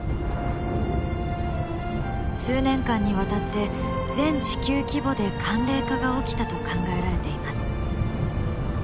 数年間にわたって全地球規模で寒冷化が起きたと考えられています。